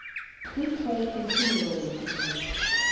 We pray continually for you.